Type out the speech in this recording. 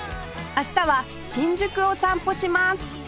明日は新宿を散歩します